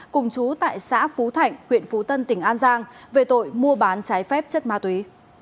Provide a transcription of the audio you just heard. cùng chú tại xã phú thạnh huyện phú tân tỉnh an giang về tội mua bán trái phép chất ma túy